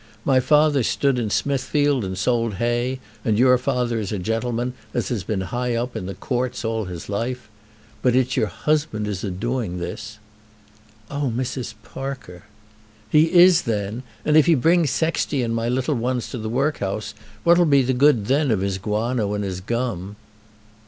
My father stood in Smithfield and sold hay, and your father is a gentleman as has been high up in the Courts all his life. But it's your husband is a doing this." "Oh, Mrs. Parker!" "He is then. And if he brings Sexty and my little ones to the workhouse, what'll be the good then of his guano and his gum?"